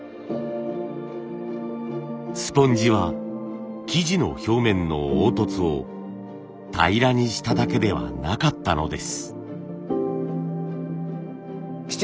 スポンジは素地の表面の凹凸を平らにしただけではなかったのです。